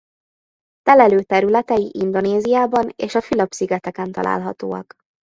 Telelő területei Indonéziában és a Fülöp-szigeteken találhatóak.